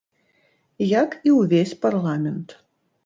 Як і ўвесь парламент.